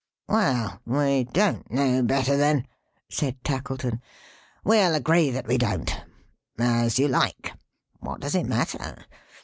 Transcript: "Well! We don't know better then," said Tackleton. "We'll agree that we don't. As you like; what does it matter?